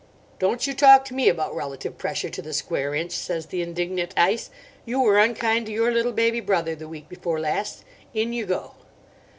"Don't you talk to me about relative pressure to the square inch," says the indignant ice. "You were unkind to your little baby brother the week before last: in you go."